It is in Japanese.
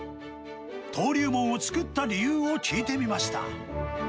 登龍門を作った理由を聞いてみました。